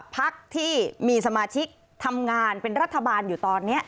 พักที่มีสมาชิกทำงานเป็นรัฐบาลอยู่ตอนนี้